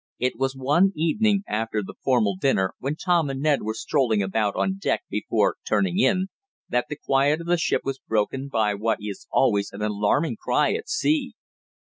It was one evening, after the formal dinner, when Tom and Ned were strolling about on deck, before turning in, that, the quiet of the ship was broken by what is always an alarming cry at sea.